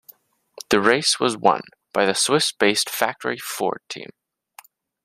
The race was won by the Swiss-based factory Ford team.